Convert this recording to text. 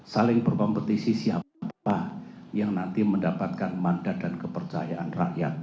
saling berkompetisi siapa yang nanti mendapatkan mandat dan kepercayaan rakyat